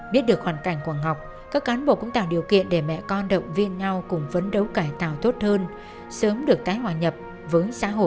biết được hoàn cảnh của ngọc các cán bộ cũng tạo điều kiện để mẹ con động viên nhau cùng phấn đấu cải tạo tốt hơn sớm được tái hòa nhập với xã hội